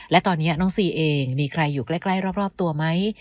และตอนนี้น้องซีเองมีใครอยู่ใกล้รอบตัวไหม